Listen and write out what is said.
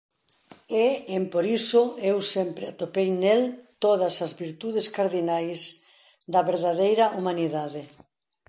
E, emporiso, eu sempre atopei nel todas as virtudes cardinais da verdadeira humanidade.